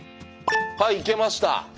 はいいけました。